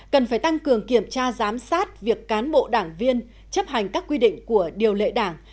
cần phải tăng cường kiểm tra giám sát việc cán bộ đảng viên chấp hành các quy định của điều lệ đảng